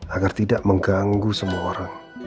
agar tidak mengganggu semua orang